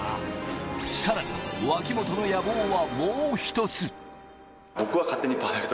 さらに脇本の野望はもう一つ。